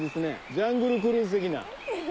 ジャングル・クルーズ的な。